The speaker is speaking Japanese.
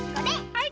はい！